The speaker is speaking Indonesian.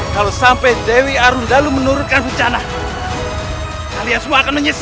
kalau sampai dewi arun dalu menurunkan rencana kalian semua akan menyesal